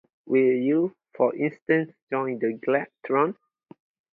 Will you, for instance, join the glad throng?